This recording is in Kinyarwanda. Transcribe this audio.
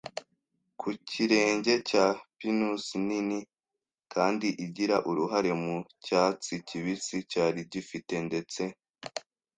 Ku kirenge cya pinusi nini kandi igira uruhare mu cyatsi kibisi, cyari gifite ndetse